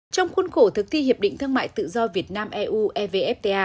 trong khuôn khổ thực thi hiệp định thương mại tự do việt nam eu evfta